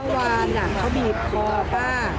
ว่านางเขาบีบคอป่ะ